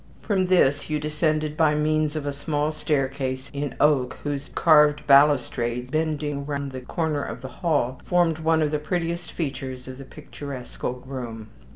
From this you descended by means of a small staircase in oak, whose carved balustrade, bending round the corner of the hall, formed one of the prettiest features of the picturesque old room.